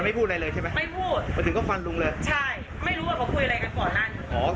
ไม่พูดอะไรเลยใช่ไหมไม่พูดถึงก็ฟันลุงเลยใช่ไม่รู้ว่าเขาคุยอะไรกันก่อนนั้นอ๋อ